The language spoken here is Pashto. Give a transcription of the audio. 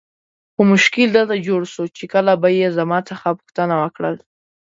خو مشکل دلته جوړ سو چې کله به یې زما څخه پوښتنه وکړل.